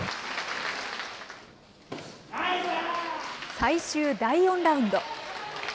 最終第４ラウンド。